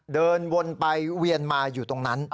เดินวนไปเวียนมาอยู่ตรงนั้น